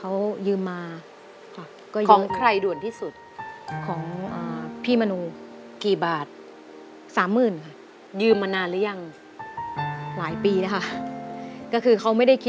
ถ้ามีก็ให้เอาไปคืนเขาบ้าง